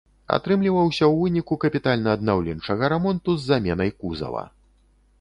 Атрымліваўся ў выніку капітальна-аднаўленчага рамонту з заменай кузава.